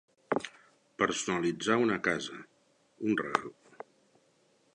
Personalitzar una casa, un regal.